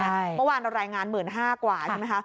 เมื่อวานเรารายงาน๑๕๐๐กว่าใช่ไหมคะ